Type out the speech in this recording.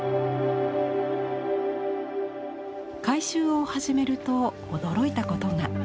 改修を始めると驚いたことが。